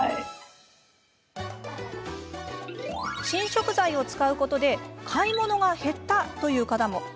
新食材を使うことで買い物が減ったという方も。